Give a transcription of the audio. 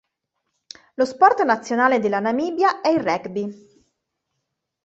Lo sport nazionale della Namibia è il rugby.